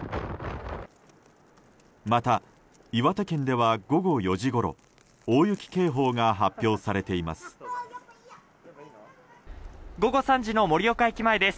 また、岩手県では午後４時ごろ大雪警報が発表されています。